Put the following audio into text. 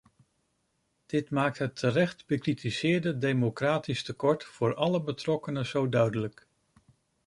Dit maakt het terecht bekritiseerde democratisch tekort voor alle betrokkenen zo duidelijk.